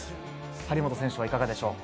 張本選手はいかがでしょう。